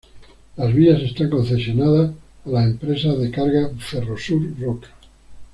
Las vías están concesionadas a la empresa de cargas Ferrosur Roca.